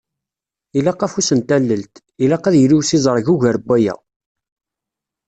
Ilaq afus n tallelt, Ilaq ad yili usiẓreg ugar n waya.